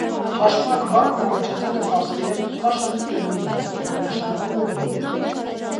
«Փաշմակ» բառն առաջացել է պարսկերեն «փաշմ» տերմինից, որը նշանակում է բուրդ։